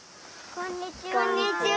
こんにちは。